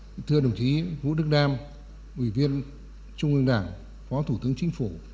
thưa đồng chí vũ đức đam ủy viên trung ương đảng phó thủ tướng chính phủ